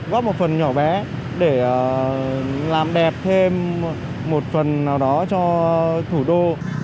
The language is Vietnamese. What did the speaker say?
góp một phần nhỏ bé để làm đẹp thêm một phần nào đó cho thủ đô